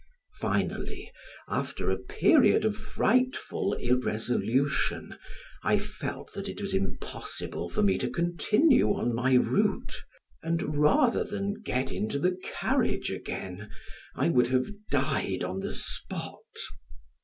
Finally, after a period of frightful irresolution, I felt that it was impossible for me to continue on my route, and rather than get into the carriage again, I would have died on the spot.